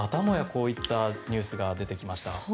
こういったニュースが出てきました。